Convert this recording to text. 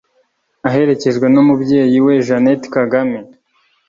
aherekejwe n’umubyeyi we Jeanette Kagame